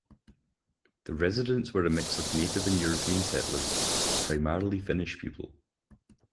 The residents were a mix of native and European settlers, primarily Finnish people.